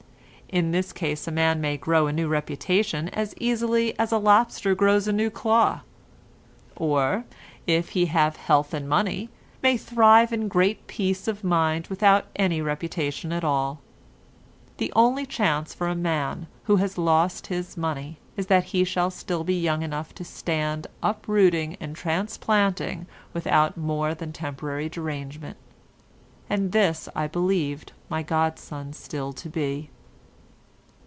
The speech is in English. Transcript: In this case a man may grow a new reputation as easily as a lobster grows a new claw, or, if he have health and money, may thrive in great peace of mind without any reputation at all. The only chance for a man who has lost his money is that he shall still be young enough to stand uprooting and transplanting without more than temporary derangement, and this I believed my godson still to be.